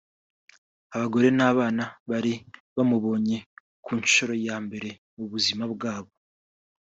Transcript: abagore n’abana bari bamubonye ku nshuro ya mbere mu buzima bwabo